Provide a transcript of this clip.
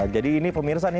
jadi ini pemirsa nih